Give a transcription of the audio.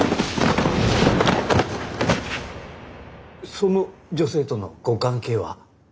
その女性とのご関係は？